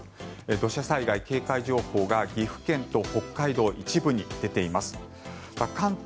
土砂災害警戒情報が岐阜県と北海道の一部に出ています。